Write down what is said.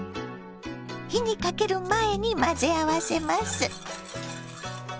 火にかける前に混ぜ合わせます。